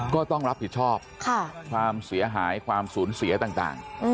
ก็ต้องรับผิดชอบความเสียหายความสูญเสียต่าง